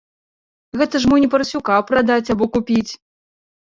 Гэта ж мо не парсюка прадаць або купіць!